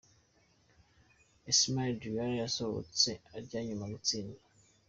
Ismaila Diarra yasohotse atya nyuma yo gutsindwa .